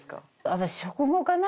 私食後かな。